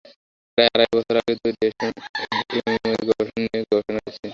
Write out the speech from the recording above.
প্রায় আড়াই বছর আগে তৈরি এমওএসএস নিয়ে ইতিমধ্যে বিস্তর গবেষণা হয়েছে।